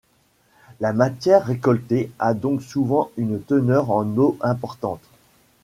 La matière récoltée a donc souvent une teneur en eau importante.